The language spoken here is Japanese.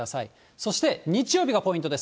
そして日曜日がポイントです。